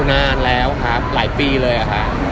นานแล้วครับหลายปีเลยอะค่ะ